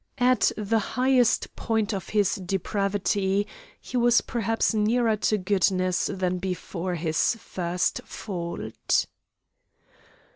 At the highest point of his depravity, he was perhaps nearer to goodness than before his first fault.